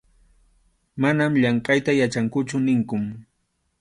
Manam llamkʼayta yachankuchu ninkun.